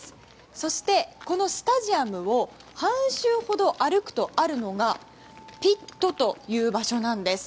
そして、このスタジアムを半周ほど歩くとあるのがピットという場所なんです。